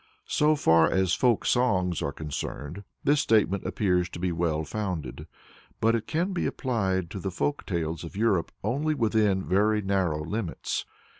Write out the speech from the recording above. So far as folk songs are concerned, this statement appears to be well founded, but it can be applied to the folk tales of Europe only within very narrow limits.